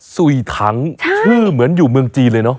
สุยถังชื่อเหมือนอยู่เมืองจีนเลยเนอ